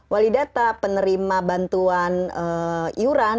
wali data penerima bantuan iuran di kementerian dalam negeri